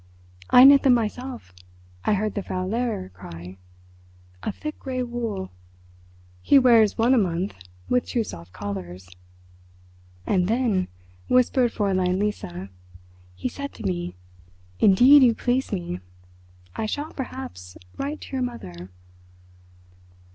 "I knit them myself," I heard the Frau Lehrer cry, "of thick grey wool. He wears one a month, with two soft collars." "And then," whispered Fräulein Lisa, "he said to me, 'Indeed you please me. I shall, perhaps, write to your mother.